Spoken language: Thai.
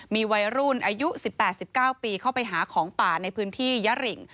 มีวัยรุ่นอายุ๑๘๑๙ปีเข้าไปหาของป่าในพื้นที่ยะริง